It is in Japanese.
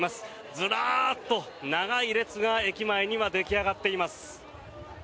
ずらっと長い列が駅前には出来上がっています。